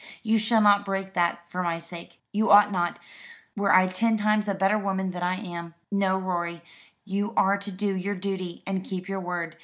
"You shall not break that for my sake you ought not, were I ten times a better woman than I am. No, Rorie, you are to do your duty, and keep your word.